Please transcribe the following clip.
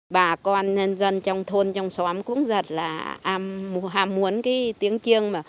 bà con dân trong thôn trong xóm cũng rất là hàm muốn cái tiếng chiêng